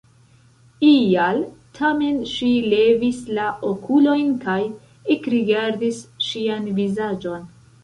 Ial tamen ŝi levis la okulojn kaj ekrigardis ŝian vizaĝon.